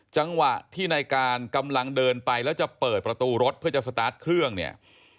จังหวะที่ในการกำลังเดินไปแล้วจะเปิดประตูรถเพื่อจะสตาร์ทเครื่องเนี่ย